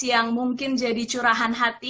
yang mungkin jadi curahan hati